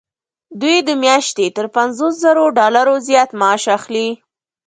دوی د میاشتې تر پنځوس زرو ډالرو زیات معاش اخلي.